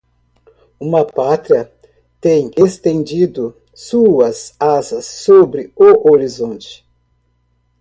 Uma Pátria tem estendido suas asas sobre o horizonte